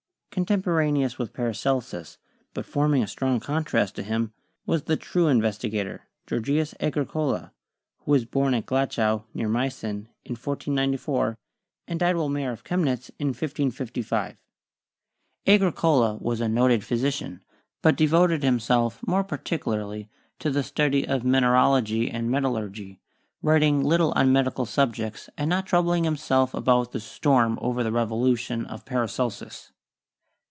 Contemporaneous with Paracelsus, but forming a strong contrast to him, was the true investigator, Geor gius Agricola, who was born at Glauchau, near Meissen, in 1494, and died while mayor of Chemnitz in 1555. Agri cola was a noted physician, but devoted himself more par ticularly to the study of mineralogy and metallurgy, writ ing little on medical subjects and not troubling himself about the storm over the revolution of Paracelsu^.